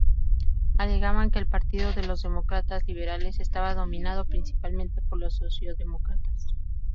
Alegaban que el partido de los Demócratas Liberales estaba dominado principalmente por los socialdemócratas.